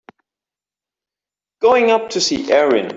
Going up to see Erin.